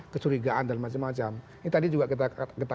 kecurigaan dan macam macam ini tadi juga kita